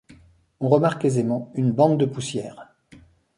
On remarque aisément une bande de poussières.